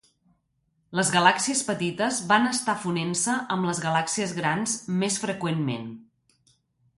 Les galàxies petites van estar fonent-se amb les galàxies grans més freqüentment.